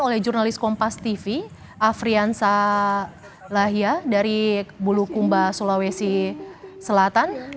oleh jurnalis kompas tv afriansa lahya dari bulukumba sulawesi selatan